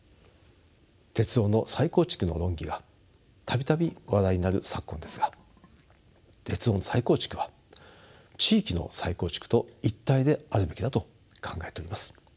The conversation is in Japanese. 鉄道の再構築の論議が度々話題になる昨今ですが鉄道の再構築は地域の再構築と一体であるべきだと考えております。